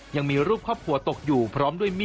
ที่มันหลังขึ้นพ่อด้วย